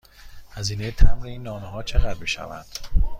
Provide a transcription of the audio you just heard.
هزینه مبر این نامه ها چقدر می شود؟